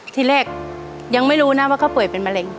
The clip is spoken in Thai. ที่แรกยังไม่รู้นะว่าเขาป่วยเป็นมะเร็ง